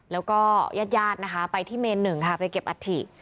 แล้วก็แยดยาสไปที่เมน๑ค่ะไปเก็บอะถี่